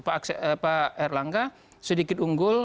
pak erlangga sedikit unggul